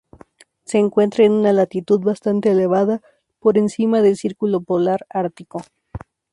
Se encuentra en una latitud bastante elevada, por encima del Círculo Polar Ártico.